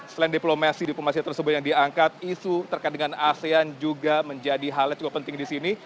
selain diplomasi diplomasi tersebut yang diangkat isu terkait dengan asean juga menjadi hal yang cukup penting di sini